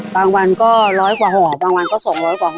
บางวันก็ร้อยกว่าห่อบางวันก็๒๐๐กว่าห